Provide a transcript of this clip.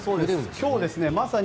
今日、まさに